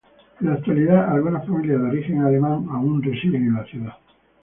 En la actualidad algunas familias de origen alemán aún residen en la ciudad.